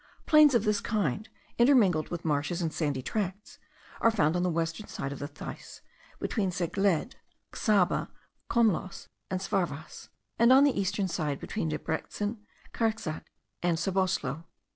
Plains of this kind, intermingled with marshes and sandy tracts, are found on the western side of the Theiss, between Czegled, Csaba, Komloss, and Szarwass; and on the eastern side, between Debreczin, Karczag, and Szoboszlo.